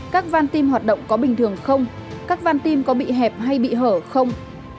các văn tim hoạt động có bình thường không các văn tim có bị hẹp hay bị hở không